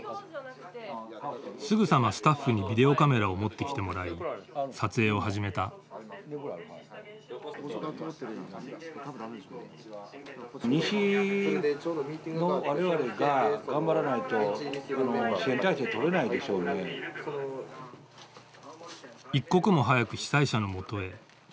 すぐさまスタッフにビデオカメラを持ってきてもらい撮影を始めた一刻も早く被災者のもとへ。